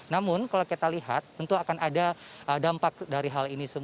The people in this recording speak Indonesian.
namun kalau kita lihat tentu akan ada dampak dari hal ini